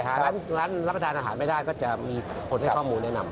ร้านรับประทานอาหารไม่ได้ก็จะมีคนให้ข้อมูลแนะนำ